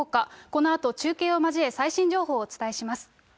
このあと中継を交え、最新情報をお伝えします。